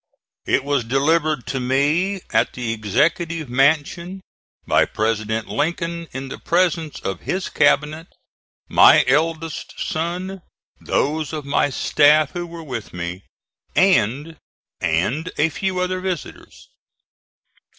It was delivered to me at the Executive Mansion by President Lincoln in the presence of his Cabinet, my eldest son, those of my staff who were with me and and a few other visitors.